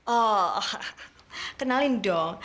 oh kenalin dong